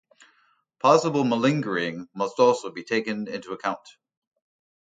Possible malingering must also be taken into account.